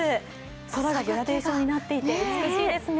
空がグラデーションになっていて美しいですね。